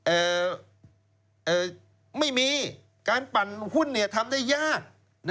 ไม่มีการปั่นหุ้นทำได้ยาก